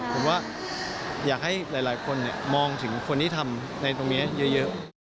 ผมว่าอยากให้หลายคนมองถึงคนที่ทำในตรงนี้เยอะ